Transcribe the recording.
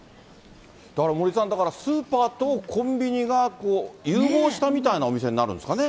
だから森さん、だから、スーパーとコンビニが融合したみたいなお店になるんですかね。